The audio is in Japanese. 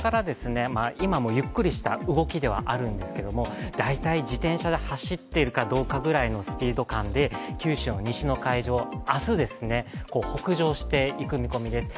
今もゆっくりした動きではあるんですけれども大体自転車で走っているかどうかくらいのスピード感で九州の西の海上、明日ごろ北上していく見込みです。